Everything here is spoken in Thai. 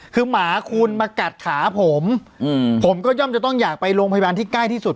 คือหมาคุณมากัดขาผมผมก็ย่อมจะต้องอยากไปโรงพยาบาลที่ใกล้ที่สุด